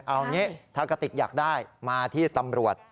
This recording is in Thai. เอางี้ถ้ากระติกอยากได้มาที่ตำรวจ